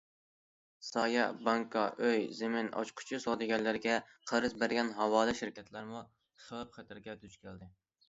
سايە بانكا ئۆي- زېمىن ئاچقۇچى سودىگەرلىرىگە قەرز بەرگەن ھاۋالە شىركەتلەرمۇ خەۋپ- خەتەرگە دۇچ كەلدى.